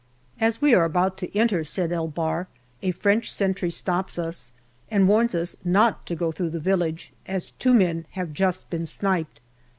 As we are about to enter Sed el Bahr a French sentry stops us, and warns us not to go through the village, as two men have just been sniped.